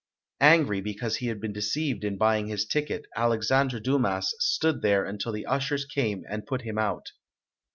Angry be cause he had been deceived in buying his ticket, Alexandre Dumas stood there until the ushers came and put him out.